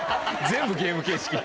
全部ゲーム形式。